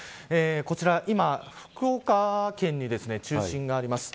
こちら今福岡県に中心があります。